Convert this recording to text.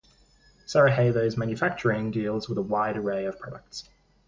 Sarajevo's manufacturing deals with a wide array of products.